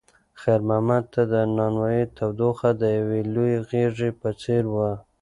خیر محمد ته د نانوایۍ تودوخه د یوې لویې غېږې په څېر وه.